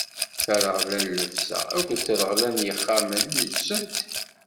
Tareɣla n llebsa akked treɣla n yexxamen neǧsent.